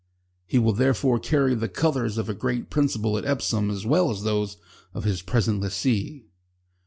He will therefore carry the colours of a great principle at Epsom as well as those of his present lessee.